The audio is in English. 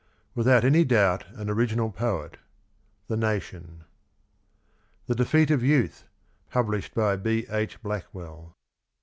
Without any doubt an original poet." — The Nation. THE DEFEAT OF YOUTH. Published by B. H. Blackwell.